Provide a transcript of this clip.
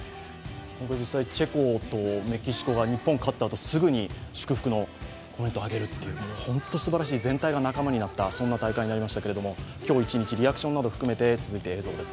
実際、チェコとメキシコが日本が勝ったあとにすぐに祝福のコメントを上げるという、全体的にすばらしい大会になったと思いますが今日一日リアクションなど含めて、続いて映像です。